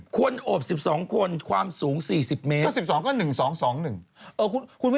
โอบ๑๒คนความสูง๔๐เมตร